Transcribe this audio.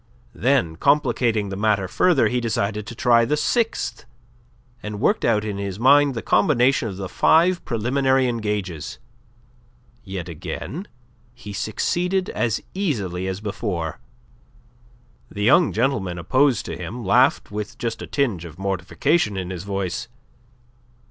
Then, complicating the matter further, he decided to try the sixth, and worked out in his mind the combination of the five preliminary engages. Yet again he succeeded as easily as before. The young gentleman opposed to him laughed with just a tinge of mortification in his voice.